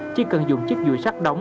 chỉ cần dùng chiếc dùi sắc đóng